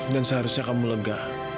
dan seharusnya kamu lega